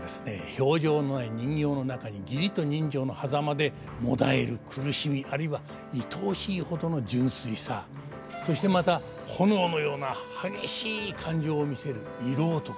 表情のない人形の中に義理と人情のはざまでもだえる苦しみあるいは愛おしいほどの純粋さそしてまた炎のような激しい感情を見せる色男。